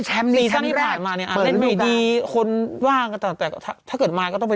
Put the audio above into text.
จะไปไหมคุณบ